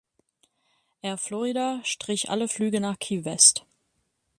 Air Florida strich alle Flüge nach Key West.